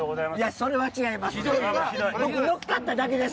それは違います